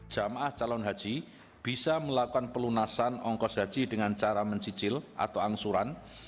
jamaah calon haji bisa melakukan pelunasan ongkos haji dengan cara mencicil atau angsuran